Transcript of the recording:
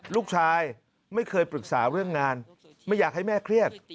ลูกชายไม่เคยปรึกษาเรื่องงานไม่อยากให้แม่เครียด